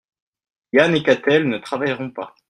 Yann et Katell ne travailleront pas.